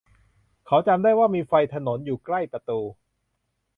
เขาจำได้ว่ามีไฟถนนอยู่ใกล้ประตู